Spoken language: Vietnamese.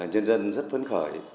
nhân dân rất phấn khởi